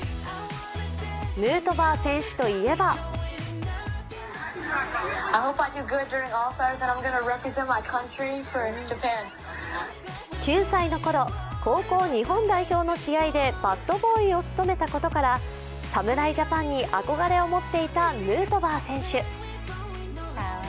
ヌートバー選手といえば９歳のころ、高校日本代表の試合でバットボーイを務めたことから侍ジャパンに憧れを持っていたヌートバー選手。